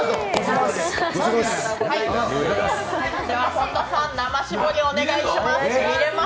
本田さん、生搾り、お願いします。